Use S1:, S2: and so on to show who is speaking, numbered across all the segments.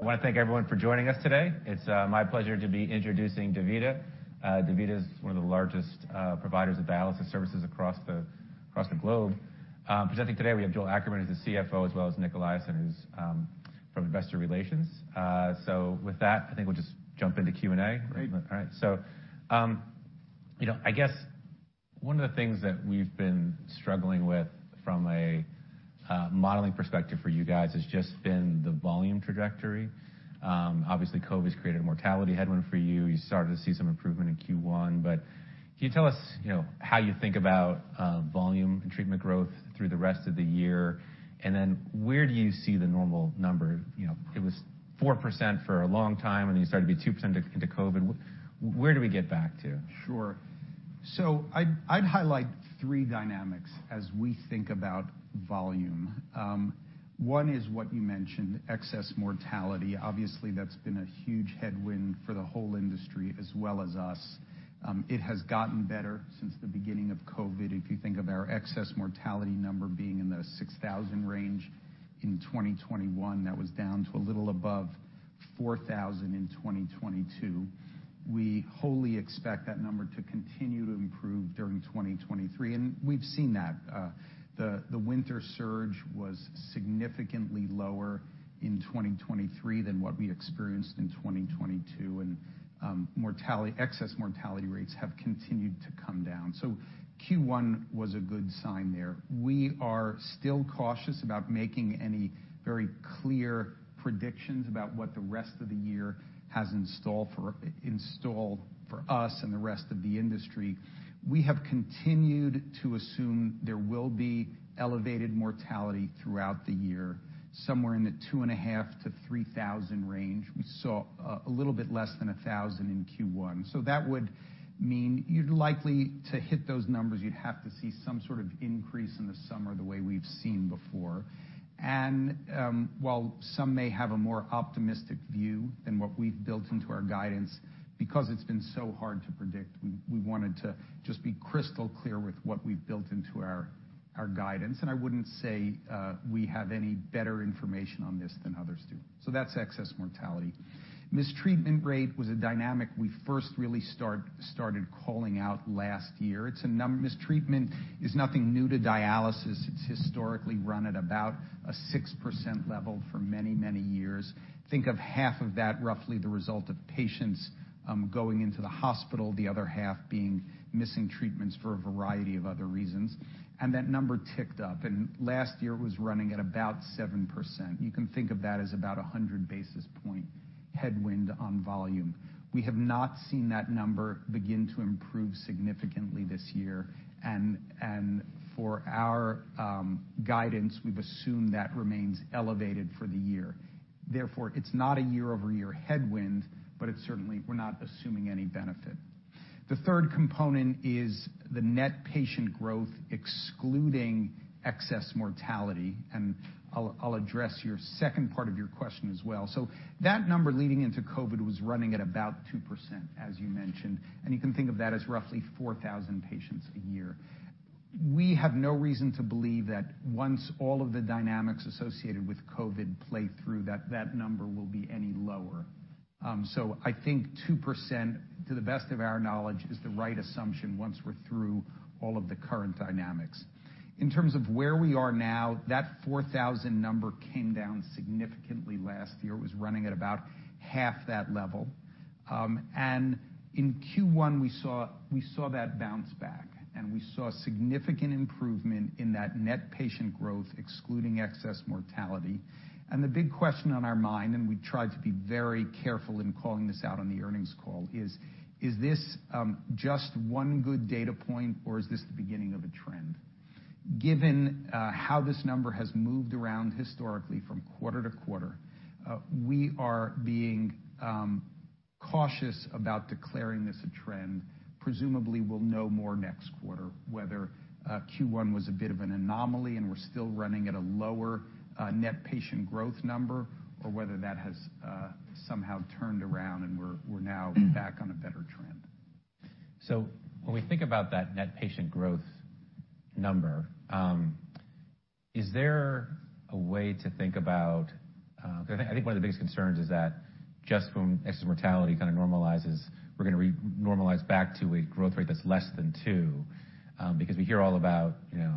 S1: I wanna thank everyone for joining us today. It's my pleasure to be introducing DaVita. DaVita is one of the largest providers of dialysis services across the globe. Presenting today, we have Joel Ackerman as the CFO, as well as Nic Eliason, who's from Investor Relations. With that, I think we'll just jump into Q&A.
S2: Great.
S1: All right. You know, I guess one of the things that we've been struggling with from a modeling perspective for you guys has just been the volume trajectory. Obviously, COVID's created a mortality headwind for you. You started to see some improvement in Q1, but can you tell us, you know, how you think about volume and treatment growth through the rest of the year? Where do you see the normal number? You know, it was 4% for a long time, and you started to be 2% into COVID. Where do we get back to?
S2: Sure. I'd highlight three dynamics as we think about volume. One is what you mentioned, excess mortality. Obviously, that's been a huge headwind for the whole industry as well as us. It has gotten better since the beginning of COVID. If you think of our excess mortality number being in the 6,000 range in 2021, that was down to a little above 4,000 in 2022. We wholly expect that number to continue to improve during 2023, and we've seen that. The winter surge was significantly lower in 2023 than what we experienced in 2022, and mortality, excess mortality rates have continued to come down. Q1 was a good sign there. We are still cautious about making any very clear predictions about what the rest of the year has installed for us and the rest of the industry. We have continued to assume there will be elevated mortality throughout the year, somewhere in the 2,500 range-3,000 range. We saw a little bit less than 1,000 in Q1. That would mean you'd likely to hit those numbers, you'd have to see some sort of increase in the summer the way we've seen before. While some may have a more optimistic view than what we've built into our guidance, because it's been so hard to predict, we wanted to just be crystal clear with what we've built into our guidance. I wouldn't say we have any better information on this than others do. That's excess mortality. Mistreatment rate was a dynamic we first really started calling out last year. Mistreatment is nothing new to dialysis. It's historically run at about a 6% level for many, many years. Think of half of that roughly the result of patients going into the hospital, the other half being missing treatments for a variety of other reasons. That number ticked up, and last year was running at about 7%. You can think of that as about a 100 basis points headwind on volume. We have not seen that number begin to improve significantly this year. For our guidance, we've assumed that remains elevated for the year. Therefore, it's not a year-over-year headwind, but it's certainly we're not assuming any benefit. The third component is the net patient growth, excluding excess mortality, and I'll address your second part of your question as well. That number leading into COVID was running at about 2%, as you mentioned, and you can think of that as roughly 4,000 patients a year. We have no reason to believe that once all of the dynamics associated with COVID play through, that that number will be any lower. I think 2%, to the best of our knowledge, is the right assumption once we're through all of the current dynamics. In terms of where we are now, that 4,000 number came down significantly last year. It was running at about half that level. In Q1, we saw that bounce back, and we saw significant improvement in that net patient growth, excluding excess mortality. The big question on our mind, and we tried to be very careful in calling this out on the earnings call, is this just one good data point, or is this the beginning of a trend? Given how this number has moved around historically from quarter to quarter, we are being cautious about declaring this a trend. Presumably, we'll know more next quarter, whether Q1 was a bit of an anomaly and we're still running at a lower net patient growth number, or whether that has somehow turned around and we're now back on a better trend.
S1: When we think about that net patient growth number, is there a way to think about? I think, I think one of the biggest concerns is that just when excess mortality kind of normalizes, we're gonna re-normalize back to a growth rate that's less than two, because we hear all about, you know,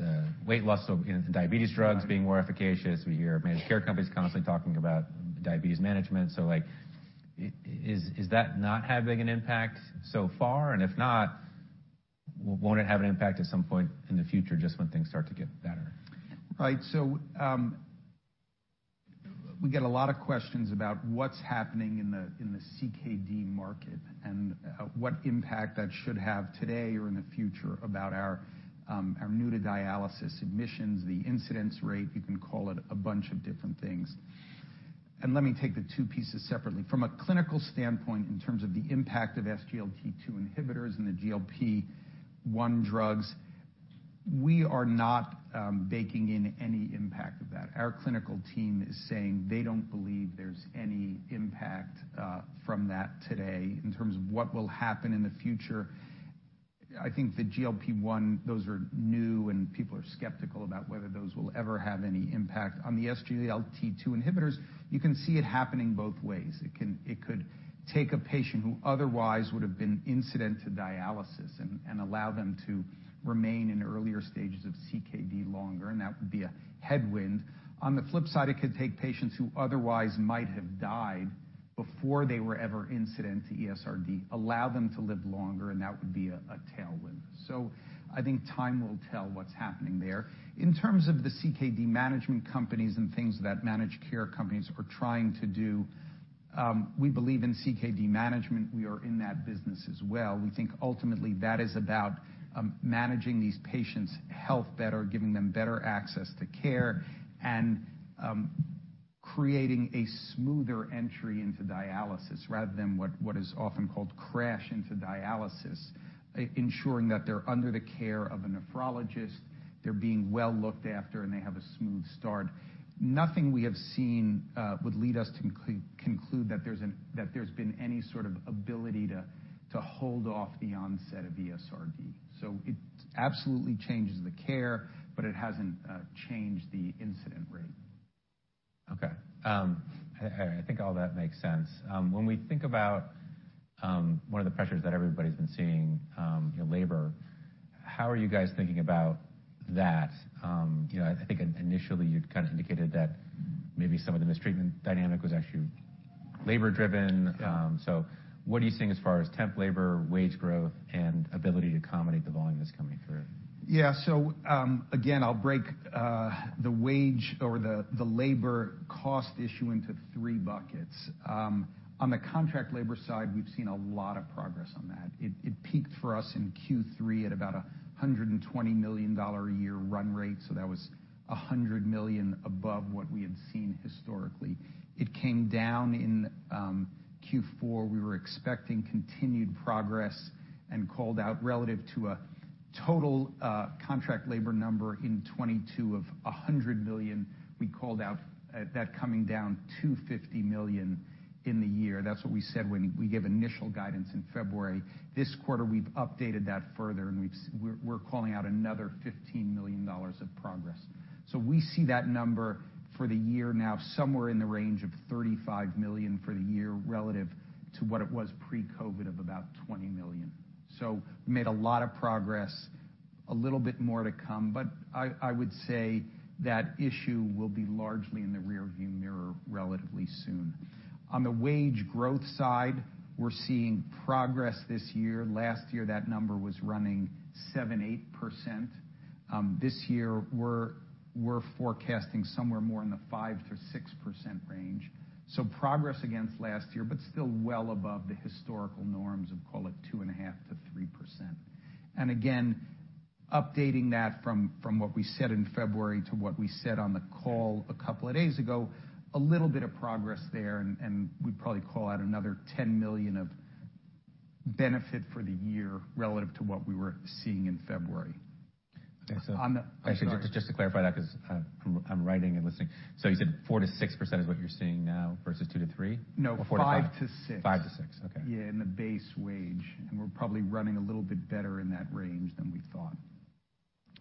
S1: the weight loss of, you know, diabetes drugs being more efficacious. We hear managed care companies constantly talking about diabetes management. Like, is that not having an impact so far? If not, won't it have an impact at some point in the future just when things start to get better?
S2: Right. We get a lot of questions about what's happening in the, in the CKD market and what impact that should have today or in the future about our new to dialysis admissions, the incidence rate, you can call it a bunch of different things. Let me take the two pieces separately. From a clinical standpoint, in terms of the impact of SGLT2 inhibitors and the GLP-1 drugs, we are not baking in any impact of that. Our clinical team is saying they don't believe there's any impact from that today. In terms of what will happen in the future, I think the GLP-1, those are new, and people are skeptical about whether those will ever have any impact. On the SGLT2 inhibitors, you can see it happening both ways. It could take a patient who otherwise would have been incident to dialysis and allow them to remain in earlier stages of CKD longer, and that would be a headwind. On the flip side, it could take patients who otherwise might have died before they were ever incident to ESRD, allow them to live longer, and that would be a tailwind. I think time will tell what's happening there. In terms of the CKD management companies and things that managed care companies are trying to do, we believe in CKD management, we are in that business as well. We think ultimately that is about managing these patients' health better, giving them better access to care, and creating a smoother entry into dialysis rather than what is often called crash into dialysis. ensuring that they're under the care of a nephrologist, they're being well looked after, and they have a smooth start. Nothing we have seen would lead us to conclude that there's been any sort of ability to hold off the onset of ESRD. It absolutely changes the care, but it hasn't changed the incident rate.
S1: Okay. I think all that makes sense. When we think about one of the pressures that everybody's been seeing, you know, labor, how are you guys thinking about that? You know, I think initially you'd kind of indicated that maybe some of the mistreatment dynamic was actually labor driven.
S2: Yeah.
S1: What are you seeing as far as temp labor, wage growth, and ability to accommodate the volume that's coming through?
S2: Again, I'll break the wage or the labor cost issue into three buckets. On the contract labor side, we've seen a lot of progress on that. It peaked for us in Q3 at about a $120 million a year run rate, so that was $100 million above what we had seen historically. It came down in Q4. We were expecting continued progress and called out relative to a total contract labor number in 2022 of $100 million. We called out that coming down to $50 million in the year. That's what we said when we gave initial guidance in February. This quarter, we've updated that further, and we're calling out another $15 million of progress. We see that number for the year now somewhere in the range of $35 million for the year relative to what it was pre-COVID of about $20 million. Made a lot of progress, a little bit more to come, but I would say that issue will be largely in the rearview mirror relatively soon. On the wage growth side, we're seeing progress this year. Last year, that number was running[78%]. This year we're forecasting somewhere more in the 5%-6% range. Progress against last year, but still well above the historical norms of, call it, 2.5%-3%. Updating that from what we said in February to what we said on the call a couple of days ago, a little bit of progress there, and we'd probably call out another $10 million of benefit for the year relative to what we were seeing in February.
S1: Okay.
S2: On the-
S1: Actually, just to clarify that because I'm writing and listening. You said 4%-6% is what you're seeing now versus 2%-3%?
S2: No.
S1: 4%-5%?
S2: 5%-6%.
S1: 5%-6%. Okay.
S2: Yeah, in the base wage. We're probably running a little bit better in that range than we thought.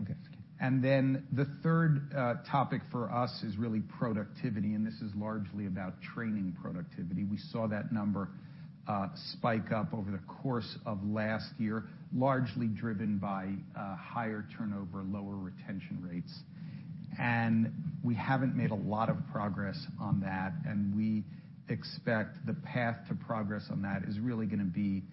S1: Okay.
S2: The third topic for us is really productivity, and this is largely about training productivity. We saw that number spike up over the course of last year, largely driven by higher turnover, lower retention rates. We haven't made a lot of progress on that, and we expect the path to progress on that is really gonna be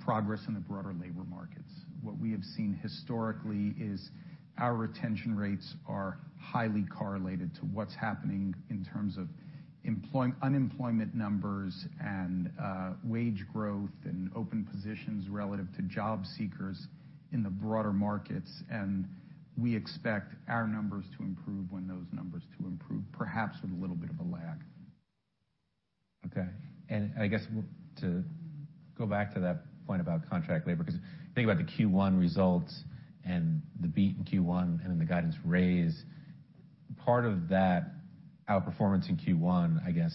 S2: progress in the broader labor markets. What we have seen historically is our retention rates are highly correlated to what's happening in terms of unemployment numbers and wage growth and open positions relative to job seekers in the broader markets. We expect our numbers to improve when those numbers to improve, perhaps with a little bit of a lag.
S1: Okay. I guess to go back to that point about contract labor, 'cause think about the Q1 results and the beat in Q1 and then the guidance raise. Part of that outperformance in Q1, I guess,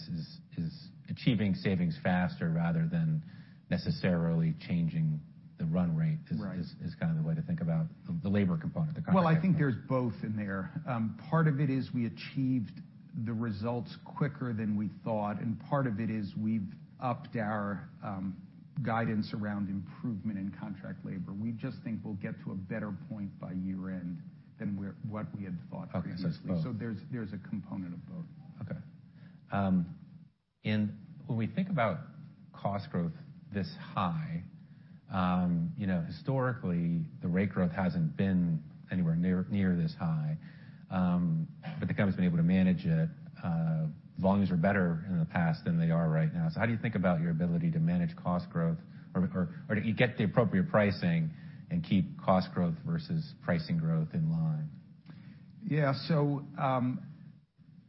S1: is achieving savings faster rather than necessarily changing the run rate.
S2: Right.
S1: is kind of the way to think about the labor component, the contract labor.
S2: Well, I think there's both in there. Part of it is we achieved the results quicker than we thought, part of it is we've upped our guidance around improvement in contract labor. We just think we'll get to a better point by year-end than what we had thought previously.
S1: Okay. It's both.
S2: there's a component of both.
S1: Okay. When we think about cost growth this high, you know, historically, the rate growth hasn't been anywhere near this high. The company's been able to manage it. Volumes are better in the past than they are right now. How do you think about your ability to manage cost growth, or do you get the appropriate pricing and keep cost growth versus pricing growth in line?
S2: Yeah.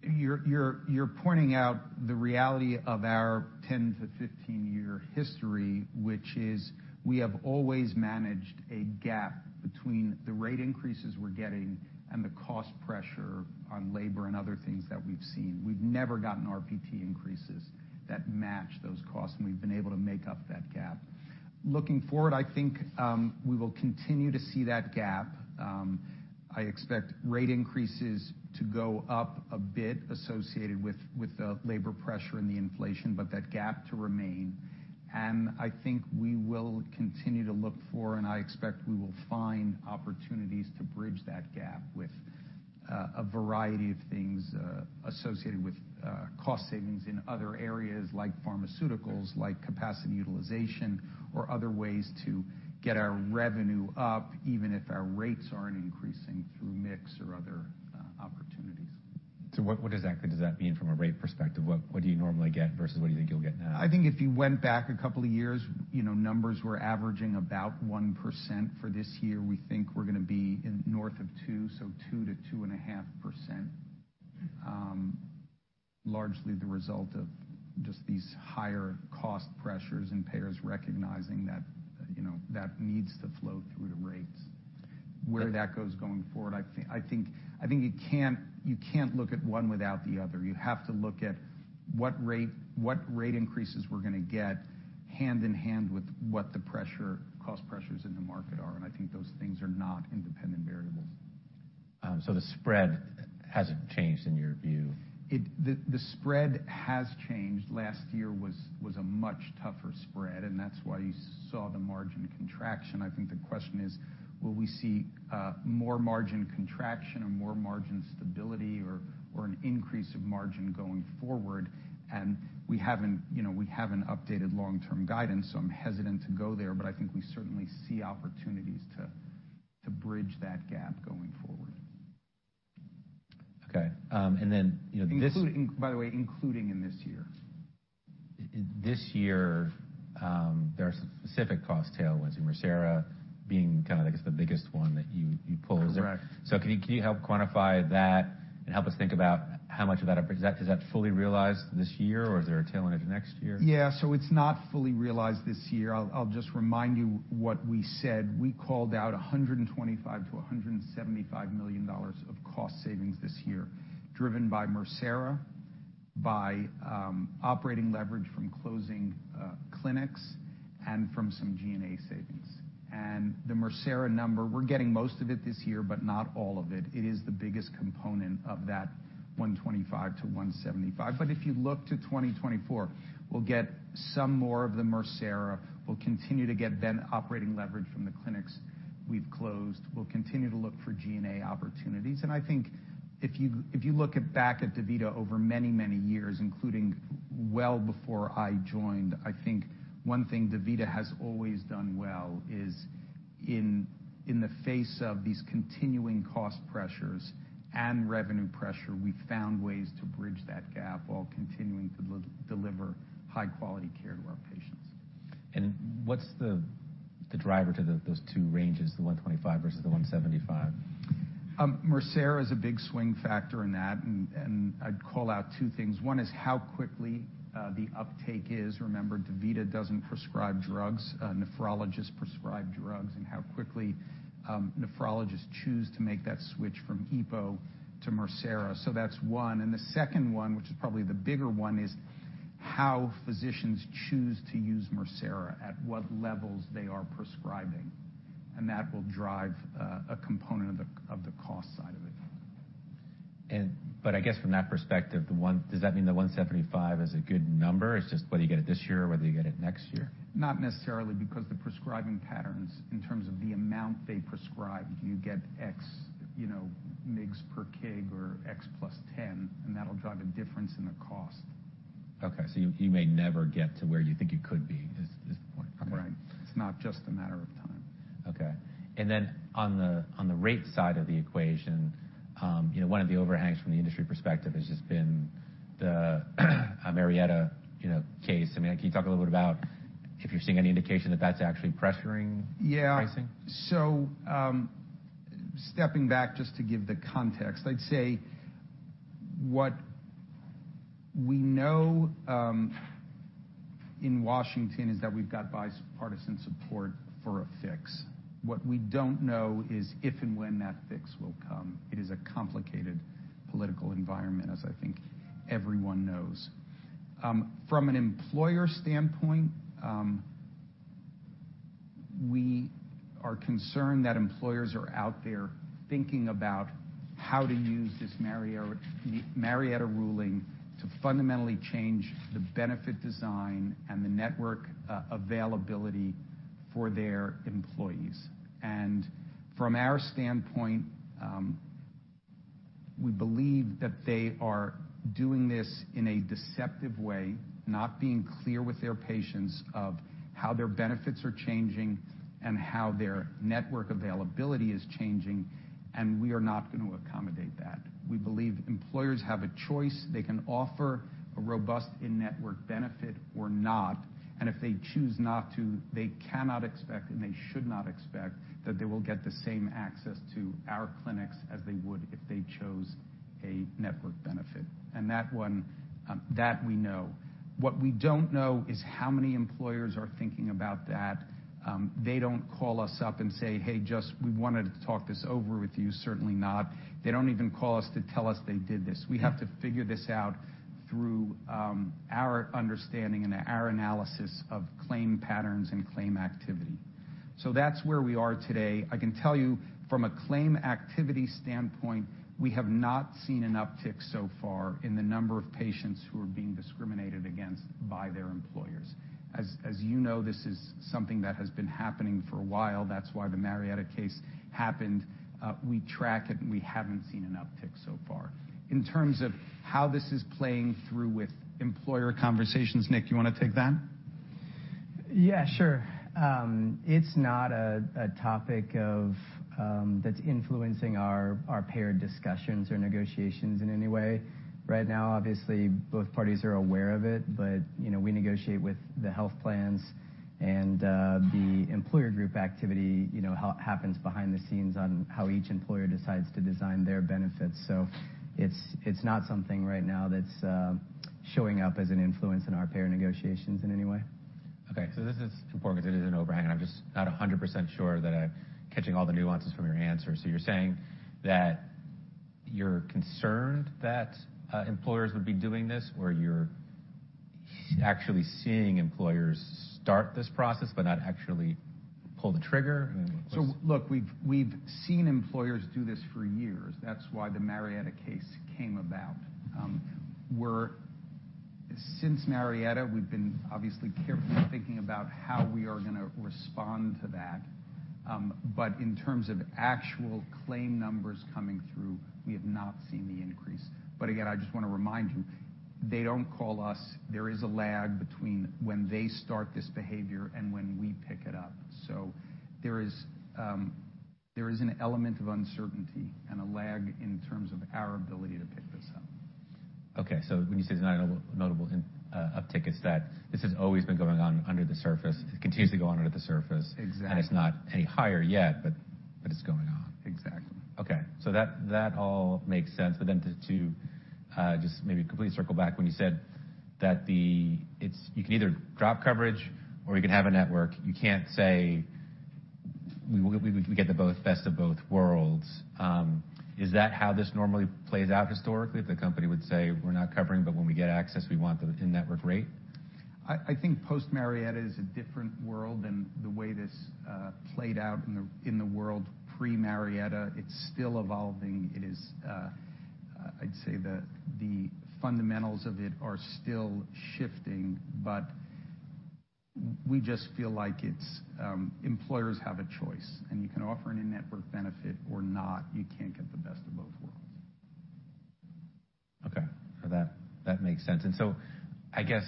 S2: You're pointing out the reality of our 10-15 year history, which is we have always managed a gap between the rate increases we're getting and the cost pressure on labor and other things that we've seen. We've never gotten RPT increases that match. We've been able to make up that gap. Looking forward, I think, we will continue to see that gap. I expect rate increases to go up a bit associated with the labor pressure and the inflation, but that gap to remain. I think we will continue to look for, and I expect we will find opportunities to bridge that gap with a variety of things associated with cost savings in other areas like pharmaceuticals, like capacity utilization or other ways to get our revenue up, even if our rates aren't increasing through mix or other opportunities.
S1: What exactly does that mean from a rate perspective? What do you normally get versus what do you think you'll get now?
S2: I think if you went back a couple of years, you know, numbers were averaging about 1% for this year. We think we're gonna be in north of two, so 2%-2.5%. Largely the result of just these higher cost pressures and payers recognizing that, you know, that needs to flow through to rates. Where that goes going forward, I think you can't, you can't look at one without the other. You have to look at what rate increases we're gonna get hand in hand with what the cost pressures in the market are, and I think those things are not independent variables.
S1: The spread hasn't changed in your view?
S2: The spread has changed. Last year was a much tougher spread, and that's why you saw the margin contraction. I think the question is, will we see more margin contraction or more margin stability or an increase of margin going forward? We haven't, you know, we haven't updated long-term guidance, so I'm hesitant to go there. I think we certainly see opportunities to bridge that gap going forward.
S1: Okay. you know.
S2: by the way, including in this year.
S1: This year, there are specific cost tailwinds, MIRCERA being kind of, I guess, the biggest one that you pulled.
S2: Correct.
S1: Can you help quantify that and help us think about how much of that? Is that fully realized this year, or is there a tail in it next year?
S2: Yeah. It's not fully realized this year. I'll just remind you what we said. We called out $125 million-$175 million of cost savings this year, driven by MIRCERA, by operating leverage from closing clinics and from some G&A savings. The MIRCERA number, we're getting most of it this year, but not all of it. It is the biggest component of that $125 million-$175 million. If you look to 2024, we'll get some more of the MIRCERA. We'll continue to get operating leverage from the clinics we've closed. We'll continue to look for G&A opportunities. I think if you look at back at DaVita over many years, including well before I joined, I think one thing DaVita has always done well is in the face of these continuing cost pressures and revenue pressure, we found ways to bridge that gap while continuing to deliver high-quality care to our patients.
S1: What's the driver to those two ranges, the 125 versus the 175?
S2: MIRCERA is a big swing factor in that, and I'd call out two things. One is how quickly the uptake is. Remember, DaVita doesn't prescribe drugs, nephrologists prescribe drugs, and how quickly nephrologists choose to make that switch from EPO to MIRCERA. That's one. The second one, which is probably the bigger one, is how physicians choose to use MIRCERA, at what levels they are prescribing. That will drive a component of the, of the cost side of it.
S1: I guess from that perspective, does that mean the 175 is a good number? It's just whether you get it this year or whether you get it next year?
S2: Not necessarily because the prescribing patterns, in terms of the amount they prescribe, you get X, you know, mgs per kg or X plus 10, and that'll drive a difference in the cost.
S1: Okay. You may never get to where you think you could be is the point. Okay.
S2: Right. It's not just a matter of time.
S1: Okay. On the, on the rate side of the equation, you know, one of the overhangs from the industry perspective has just been the, Marietta, you know, case. I mean, can you talk a little bit about if you're seeing any indication that that's actually pressuring pricing?
S2: Stepping back just to give the context, I'd say what we know in Washington is that we've got bipartisan support for a fix. What we don't know is if and when that fix will come. It is a complicated political environment, as I think everyone knows. From an employer standpoint, we are concerned that employers are out there thinking about how to use this Marietta ruling to fundamentally change the benefit design and the network availability for their employees. From our standpoint, we believe that they are doing this in a deceptive way, not being clear with their patients of how their benefits are changing and how their network availability is changing, and we are not gonna accommodate that. We believe employers have a choice. They can offer a robust in-network benefit or not, if they choose not to, they cannot expect, and they should not expect that they will get the same access to our clinics as they would if they chose a network benefit. That one, that we know. What we don't know is how many employers are thinking about that. They don't call us up and say, "Hey, just we wanted to talk this over with you." Certainly not. They don't even call us to tell us they did this. We have to figure this out through, our understanding and our analysis of claim patterns and claim activity.
S1: That's where we are today. I can tell you from a claim activity standpoint, we have not seen an uptick so far in the number of patients who are being discriminated against by their employers. As you know, this is something that has been happening for a while. That's why the Marietta case happened. We track it, and we haven't seen an uptick so far. In terms of how this is playing through with employer conversations, Nic, you wanna take that?
S3: Yeah, sure. It's not a topic of that's influencing our payer discussions or negotiations in any way. Right now, obviously, both parties are aware of it, you know, we negotiate with the health plans and the employer group activity, you know, happens behind the scenes on how each employer decides to design their benefits. It's not something right now that's showing up as an influence in our payer negotiations in any way.
S1: This is important because it is an overhang. I'm just not 100% sure that I'm catching all the nuances from your answer. You're saying that you're concerned that employers would be doing this, or you're actually seeing employers start this process but not actually pull the trigger? I mean.
S3: Look, we've seen employers do this for years. That's why the Marietta case came about. Since Marietta, we've been obviously carefully thinking about how we are gonna respond to that. In terms of actual claim numbers coming through, we have not seen the increase. Again, I just wanna remind you, they don't call us. There is a lag between when they start this behavior and when we pick it up. There is an element of uncertainty and a lag in terms of our ability to pick this up.
S1: When you say there's not a notable uptick, it's that this has always been going on under the surface. It continues to go on under the surface.
S2: Exactly.
S1: It's not any higher yet, but it's going on.
S2: Exactly.
S1: That, that all makes sense. To, to, just maybe completely circle back when you said that it's you can either drop coverage or you can have a network. You can't say we get the best of both worlds. Is that how this normally plays out historically, if the company would say, "We're not covering, but when we get access, we want the in-network rate?
S2: I think post-Marietta is a different world than the way this played out in the world pre-Marietta. It's still evolving. It is, I'd say the fundamentals of it are still shifting, we just feel like it's employers have a choice, you can offer an in-network benefit or not. You can't get the best of both worlds.
S1: Okay. That makes sense. I guess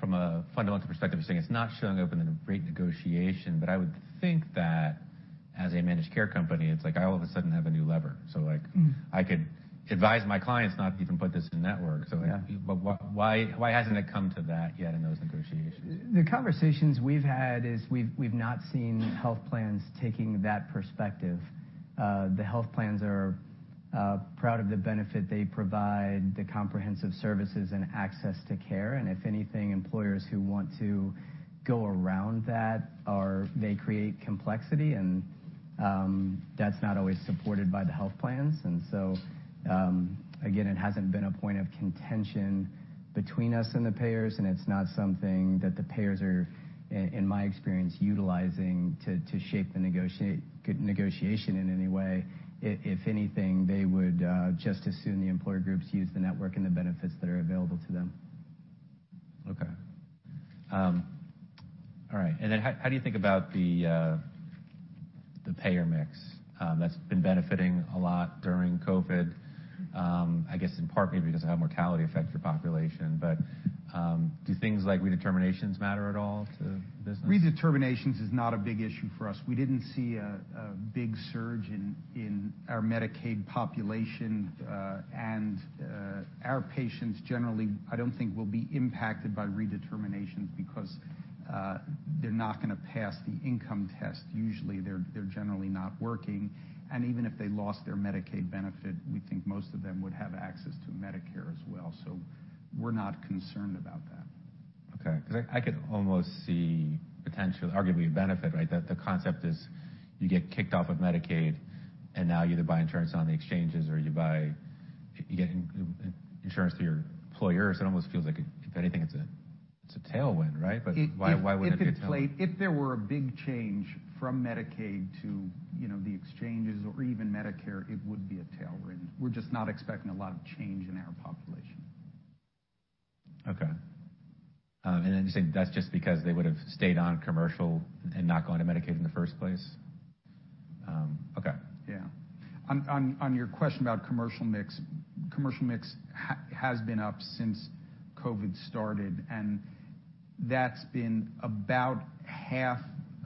S1: from a fundamental perspective, you're saying it's not showing up in a rate negotiation, I would think that as a managed care company, it's like I all of a sudden have a new lever.
S2: Mm.
S1: I could advise my clients not to even put this in-network.
S2: Yeah.
S1: Like, why hasn't it come to that yet in those negotiations?
S2: The conversations we've had is we've not seen health plans taking that perspective. The health plans are proud of the benefit they provide, the comprehensive services and access to care. If anything, employers who want to go around that are they create complexity and that's not always supported by the health plans. Again, it hasn't been a point of contention between us and the payers, and it's not something that the payers are in my experience, utilizing to shape the negotiation in any way. If anything, they would just assume the employer groups use the network and the benefits that are available to them.
S1: Okay. All right. How do you think about the payer mix that's been benefiting a lot during COVID, I guess in part maybe because of how mortality affects your population. Do things like redeterminations matter at all to business?
S2: Redeterminations is not a big issue for us. We didn't see a big surge in our Medicaid population. Our patients generally, I don't think will be impacted by redeterminations because they're not gonna pass the income test. Usually, they're generally not working. Even if they lost their Medicaid benefit, we think most of them would have access to Medicare as well. We're not concerned about that.
S1: Okay. 'Cause I could almost see potential, arguably a benefit, right? That the concept is you get kicked off of Medicaid, and now you either buy insurance on the exchanges or you get insurance through your employer. It almost feels like if anything, it's a, it's a tailwind, right?
S2: If-
S1: Why wouldn't it be a tailwind?
S2: If there were a big change from Medicaid to, you know, the exchanges or even Medicare, it would be a tailwind. We're just not expecting a lot of change in our population.
S1: Okay. You're saying that's just because they would have stayed on commercial and not gone to Medicaid in the first place? Okay.
S2: Yeah. On your question about commercial mix, commercial mix has been up since COVID started. That's been about half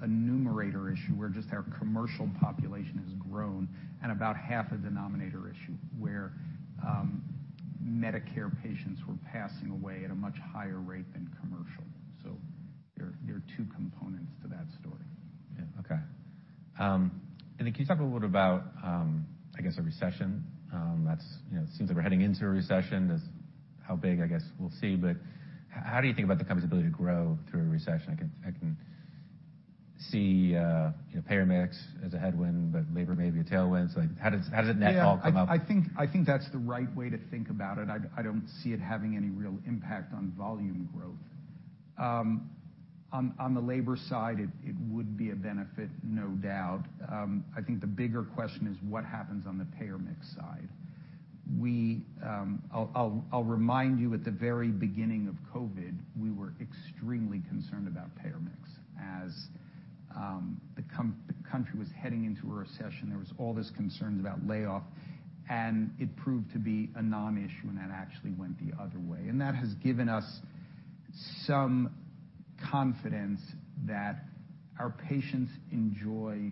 S2: a numerator issue, where just our commercial population has grown, about half a denominator issue, where Medicare patients were passing away at a much higher rate than commercial. There are two components to that story.
S1: Yeah. Okay. Can you talk a little bit about, I guess, a recession, that's, you know, it seems like we're heading into a recession? That's how big, I guess, we'll see. How do you think about the company's ability to grow through a recession? I can see, you know, payer mix as a headwind, but labor may be a tailwind. How does it net all come up?
S2: Yeah. I think that's the right way to think about it. I don't see it having any real impact on volume growth. On the labor side, it would be a benefit, no doubt. I think the bigger question is what happens on the payer mix side. We, I'll remind you at the very beginning of COVID, we were extremely concerned about payer mix as the country was heading into a recession. There was all this concerns about layoff, and it proved to be a non-issue, and that actually went the other way. That has given us some confidence that our patients enjoy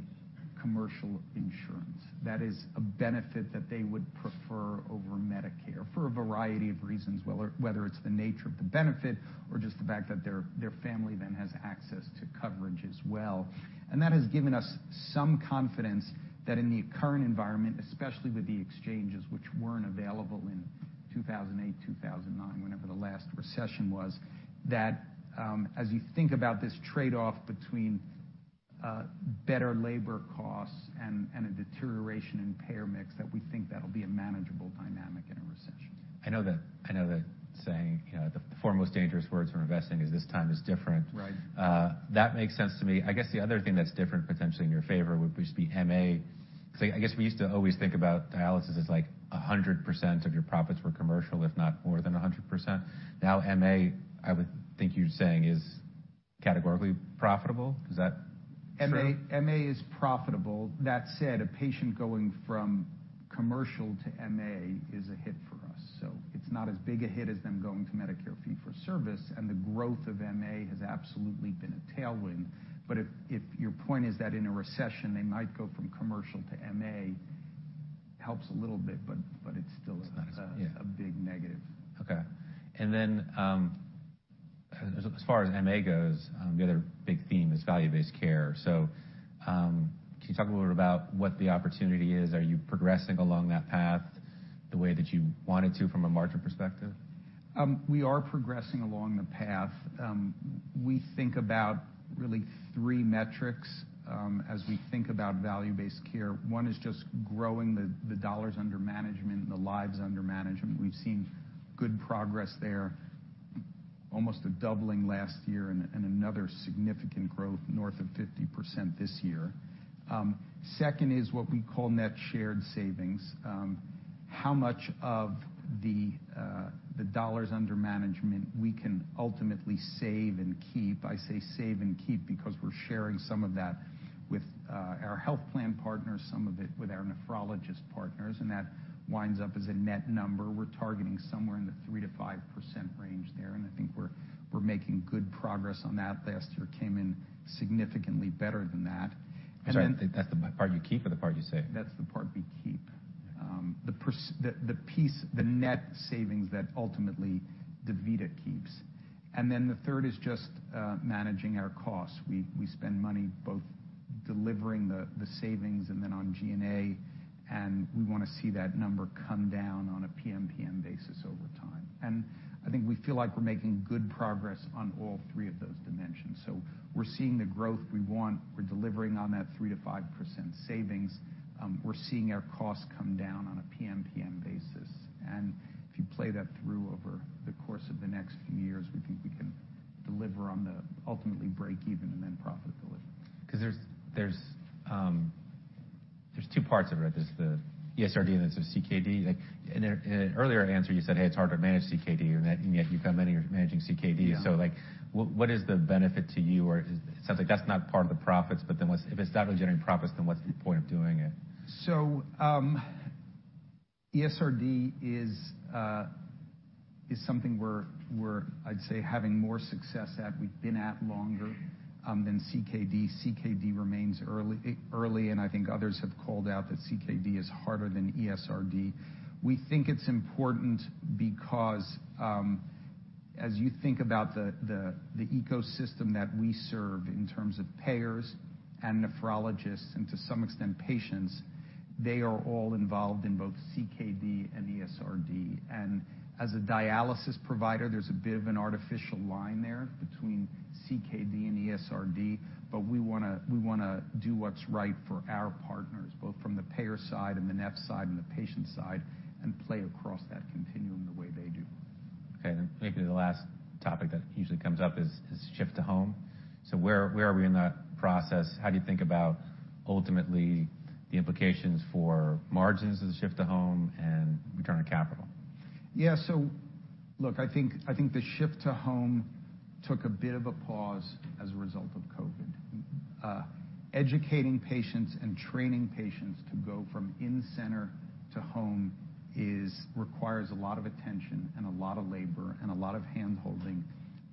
S2: commercial insurance. That is a benefit that they would prefer over Medicare for a variety of reasons, whether it's the nature of the benefit or just the fact that their family then has access to coverage as well. That has given us some confidence that in the current environment, especially with the exchanges which weren't available in 2008, 2009, whenever the last recession was, that, as you think about this trade-off between better labor costs and a deterioration in payer mix, that we think that'll be a manageable dynamic in a recession.
S1: I know the saying, you know, the four most dangerous words from investing is this time is different.
S2: Right.
S1: That makes sense to me. I guess the other thing that's different potentially in your favor would just be MA. I guess we used to always think about dialysis as like 100% of your profits were commercial, if not more than 100%. Now, MA, I would think you're saying is categorically profitable. Is that fair?
S2: MA is profitable. That said, a patient going from commercial to MA is a hit for us. It's not as big a hit as them going to Medicare fee-for-service, and the growth of MA has absolutely been a tailwind. If your point is that in a recession, they might go from commercial to MA, helps a little bit, it's still-
S1: It's not as, yeah.
S2: ...a big negative.
S1: Okay. As far as MA goes, the other big theme is value-based care. Can you talk a little bit about what the opportunity is? Are you progressing along that path the way that you wanted to from a margin perspective?
S2: We are progressing along the path. We think about really three metrics as we think about value-based care. One is just growing the dollars under management, the lives under management. We've seen good progress there, almost a doubling last year and another significant growth north of 50% this year. Second is what we call net shared savings. How much of the dollars under management we can ultimately save and keep. I say save and keep because we're sharing some of that with our health plan partners, some of it with our nephrologist partners, and that winds up as a net number. We're targeting somewhere in the 3%-5% range there, and I think we're making good progress on that. Last year came in significantly better than that.
S1: Sorry. That's the part you keep or the part you save?
S2: That's the part we keep. The piece, the net savings that ultimately DaVita keeps. The third is just managing our costs. We spend money both delivering the savings and then on G&A, and we wanna see that number come down on a PMPM basis over time. I think we feel like we're making good progress on all three of those dimensions. We're seeing the growth we want. We're delivering on that 3%-5% savings. We're seeing our costs come down on a PMPM basis. If you play that through over the course of the next few years, we think we can deliver on the ultimately break even and then profitability.
S1: There's two parts of it, right? There's the ESRD and there's the CKD. In an earlier answer, you said, "Hey, it's hard to manage CKD," and yet you've done many managing CKD.
S2: Yeah.
S1: Like what is the benefit to you? It sounds like that's not part of the profits, if it's not generating profits, then what's the point of doing it?
S2: ESRD is something we're, I'd say, having more success at. We've been at longer than CKD. CKD remains early, and I think others have called out that CKD is harder than ESRD. We think it's important because as you think about the ecosystem that we serve in terms of payers and nephrologists and to some extent, patients, they are all involved in both CKD and ESRD. As a dialysis provider, there's a bit of an artificial line there between CKD and ESRD, but we wanna do what's right for our partners, both from the payer side and the neph side and the patient side, and play across that continuum the way they do.
S1: Okay, maybe the last topic that usually comes up is shift to home. Where are we in that process? How do you think about ultimately the implications for margins as a shift to home and return on capital?
S2: Yeah. Look, I think the shift to home took a bit of a pause as a result of COVID. Educating patients and training patients to go from in-center to home requires a lot of attention and a lot of labor and a lot of hand-holding,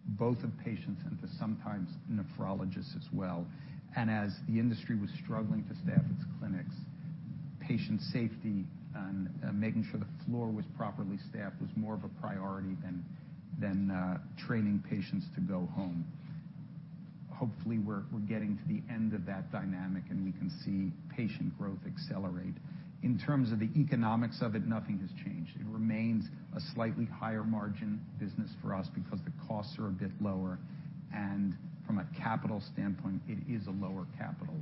S2: both of patients and the sometimes nephrologists as well. As the industry was struggling to staff its clinics, patient safety and making sure the floor was properly staffed was more of a priority than training patients to go home. Hopefully, we're getting to the end of that dynamic, and we can see patient growth accelerate. In terms of the economics of it, nothing has changed. It remains a slightly higher margin business for us because the costs are a bit lower. From a capital standpoint, it is a lower capital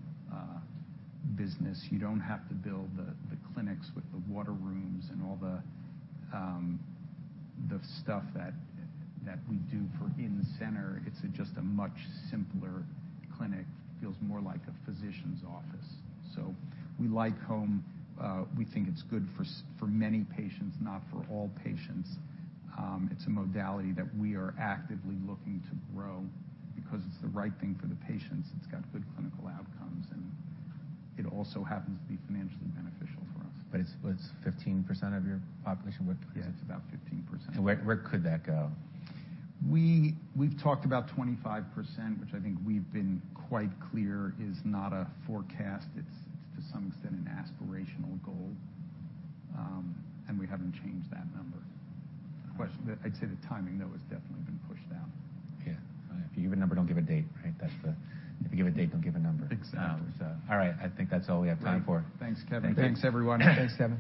S2: business. You don't have to build the clinics with the water rooms and all the stuff that we do for in-center. It's just a much simpler clinic. Feels more like a physician's office. We like home. We think it's good for many patients, not for all patients. It's a modality that we are actively looking to grow because it's the right thing for the patients. It's got good clinical outcomes, and it also happens to be financially beneficial for us.
S1: It's, what, it's 15% of your population?
S2: Yeah, it's about 15%.
S1: Where could that go?
S2: We've talked about 25%, which I think we've been quite clear is not a forecast. It's, to some extent, an aspirational goal. We haven't changed that number. I'd say the timing, though, has definitely been pushed out.
S1: Yeah. If you give a number, don't give a date, right? If you give a date, don't give a number.
S2: Exactly.
S1: All right. I think that's all we have time for.
S2: Thanks, Kevin.
S1: Thank you.
S2: Thanks, everyone. Thanks, Kevin.